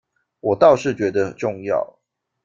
我倒是觉得重要